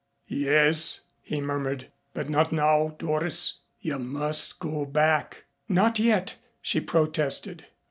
"Yes," he murmured, "but not now, Doris. You must go back." "Not yet " she protested.